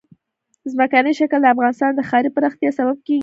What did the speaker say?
ځمکنی شکل د افغانستان د ښاري پراختیا سبب کېږي.